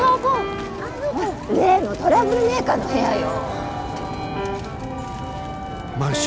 例のトラブルメーカーの部屋よ。